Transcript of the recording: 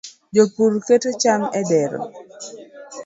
jopur keto cham e dero